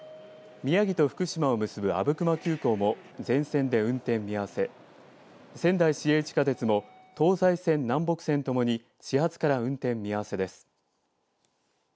宮城と福島を結ぶ阿武隈急行も全線で運転見合わせ、仙台市営地下鉄も東西線、南北線ともに始発から運転見合わせです。